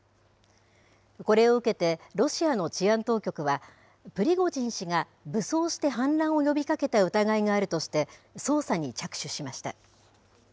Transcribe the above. これを受けてロシアの治安当局は、プリゴジン氏が武装して反乱を呼びかけた疑いがあるとして、捜査に着手しました。